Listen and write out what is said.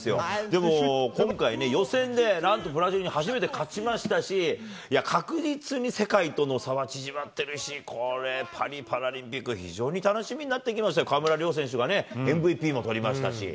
でも、今回ね、予選でなんとブラジルに初めて勝ちましたし、確実に世界との差は縮まってるし、これ、パリパラリンピック、非常に楽しみになってきましたよ、川村怜選手がＭＶＰも取りましたし。